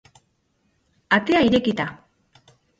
Atea irekita